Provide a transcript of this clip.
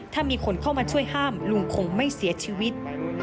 ถ้ามีคนเข้ามาช่วยห้ามลุงคงไม่เสียชีวิต